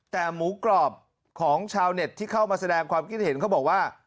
แต่หมูกรอบของชาวเน็ตที่เข้ามาแสดงความคิดเห็นเขาบอกว่า